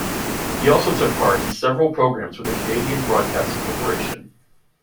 He also took part in several programs with the Canadian Broadcasting Corporation.